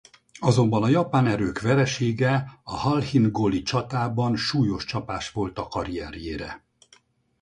Azonban a japán erők veresége a Halhin-goli csatában súlyos csapás volt a karrierjére.